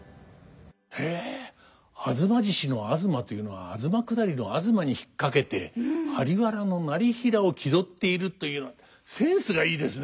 へえ「吾妻獅子」の吾妻というのは東下りの東に引っ掛けて在原業平を気取っているというのはセンスがいいですね。